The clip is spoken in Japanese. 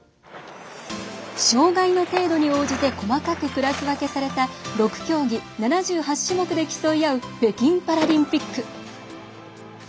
障がいの程度に応じて細かくクラス分けされた６競技、７８種目で競い合う北京パラリンピック。